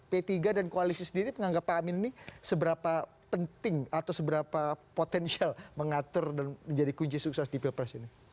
p tiga dan koalisi sendiri menganggap pak amin ini seberapa penting atau seberapa potensial mengatur dan menjadi kunci sukses di pilpres ini